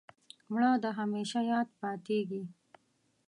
مړه د همېشه یاد پاتېږي